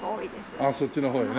ああそっちの方へね。